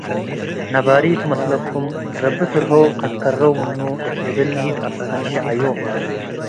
ነባሪ ቱ መስለኩም? ረቢ' ፍርሆ ከትከረ'ው ምኑ” እት ልብል አንሽዐዮም።